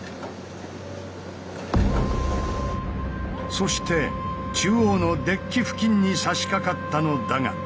そして中央のデッキ付近にさしかかったのだが。